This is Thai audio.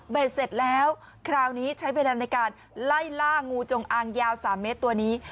เสร็จแล้วคราวนี้ใช้เวลาในการไล่ล่างูจงอางยาว๓เมตรตัวนี้